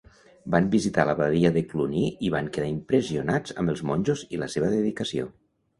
Van visitar l'Abadia de Cluny i van quedar impressionats amb els monjos i la seva dedicació.